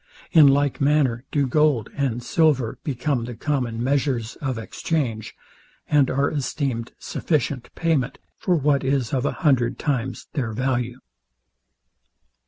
In like manner do gold and silver become the common measures of exchange, and are esteemed sufficient payment for what is of a hundred times their value.